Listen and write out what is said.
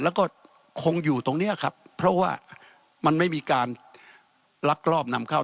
แล้วก็คงอยู่ตรงนี้ครับเพราะว่ามันไม่มีการลักลอบนำเข้า